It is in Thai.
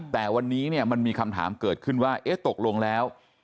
แต่วันนี้เนี่ยมันมีคำถามเกิดขึ้นว่าเอ๊ะตกลงแล้ว